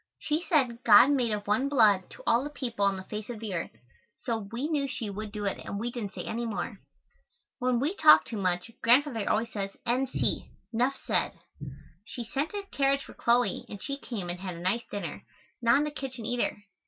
She said God made of one blood all the people on the face of the earth, so we knew she would do it and we didn't say any more. When we talk too much, Grandfather always says N. C. (nuff ced). She sent a carriage for Chloe and she came and had a nice dinner, not in the kitchen either.